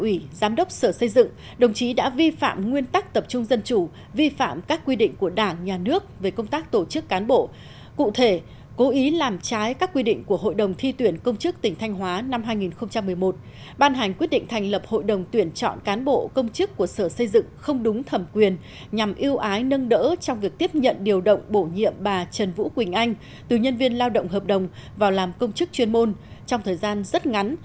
b giám đốc sở xây dựng đồng chí đã vi phạm nguyên tắc tập trung dân chủ vi phạm các quy định của đảng nhà nước về công tác tổ chức cán bộ cụ thể cố ý làm trái các quy định của hội đồng thi tuyển công chức tỉnh thanh hóa năm hai nghìn một mươi một ban hành quyết định thành lập hội đồng tuyển chọn cán bộ công chức của sở xây dựng không đúng thẩm quyền nhằm yêu ái nâng đỡ trong việc tiếp nhận điều động bổ nhiệm bà trần vũ quỳnh anh từ nhân viên lao động hợp đồng vào làm công chức chuyên môn trong thời gian rất ngắn